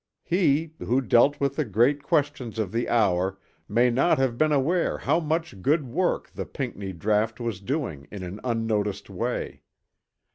He, who dealt with the great questions of the hour, may not have been aware how much good work the Pinckney draught was doing in an unnoticed way.